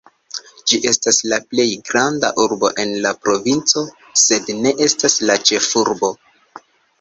Ĝi estas la plej granda urbo en la provinco sed ne estas la ĉefurbo.